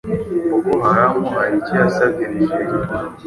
Boko Haram hari icyo yasabye Nigeria